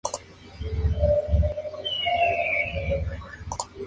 En la transición a la democracia, el movimiento de pobladores perdió relevancia.